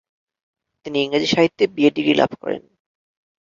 তিনি ইংরেজি সাহিত্যে বিএ ডিগ্রি লাভ করেন।